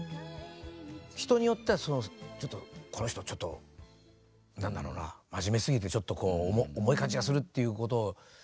人によってはちょっとこの人ちょっと何だろうな真面目すぎてちょっとこう重い感じがするっていうことを。